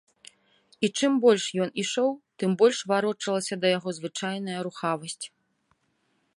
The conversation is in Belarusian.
І чым больш ён ішоў, тым больш варочалася да яго звычайная рухавасць.